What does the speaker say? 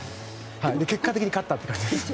結果的に勝ったって感じです。